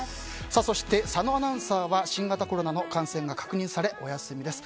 佐野アナウンサーは新型コロナの感染が確認され、お休みです。